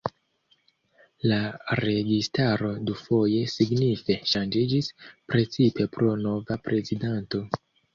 La registaro dufoje signife ŝanĝiĝis, precipe pro nova prezidanto.